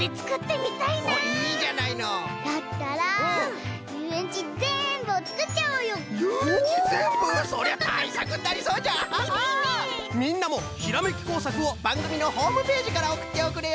みんなもひらめきこうさくをばんぐみのホームページからおくっておくれよ！